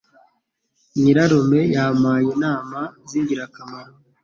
Nyirarume yampaye inama zingirakamaro.